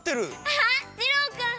あっじろーくん！